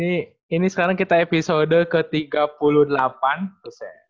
iya ini sekarang kita episode ke tiga puluh delapan terus ya